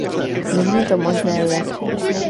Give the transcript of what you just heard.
Nyní to možné je.